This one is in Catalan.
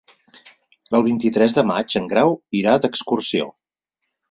El vint-i-tres de maig en Grau irà d'excursió.